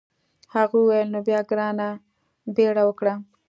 هغې وویل نو بیا ګرانه بیړه وکړه.